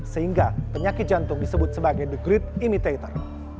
sehingga penyakit jantung disebut sebagai the great immitator